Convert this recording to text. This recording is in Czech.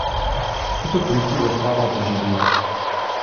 Tuto funkci zastával po řadu let.